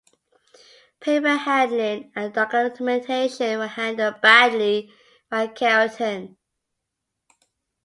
Paper handling and documentation were handled badly by Carrington.